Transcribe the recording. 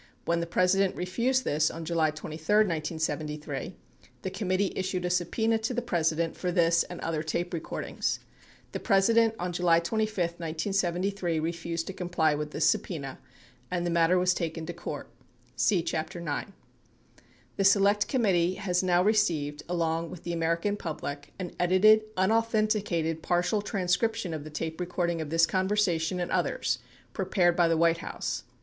41 When the President refused on July 23, 1973, the committee issued a subpena to the President for this and other tape recordings. 42 The President on July 25, 1973, refused to comply with this subpena 43 and the matter was taken to court, ( See Chapter 9. ) The Select Committee has now received — along with the American public — an edited, unauthenticated partial transcription of the tape recording of this conversation and others prepared by the White House.